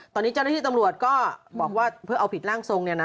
ตอนนี้เจ้าหน้าที่ตำรวจก็บอกว่าเพื่อเอาผิดร่างทรงเนี่ยนะ